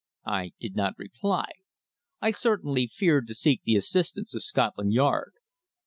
I did not reply. I certainly feared to seek the assistance of Scotland Yard.